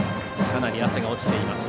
かなり汗が落ちています